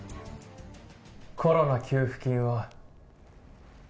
コロナ給付金は。